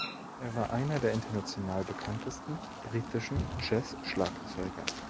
Er war einer der international bekanntesten britischen Jazzschlagzeuger.